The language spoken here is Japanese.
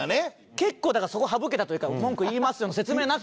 結構だからそこを省けたというか「文句言いますよ」の説明なく。